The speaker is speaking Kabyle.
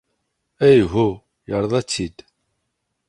Ayhuh, yerḍa-tt-id.